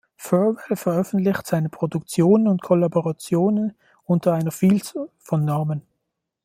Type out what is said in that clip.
Thirlwell veröffentlicht seine Produktionen und Kollaborationen unter einer Vielzahl von Namen.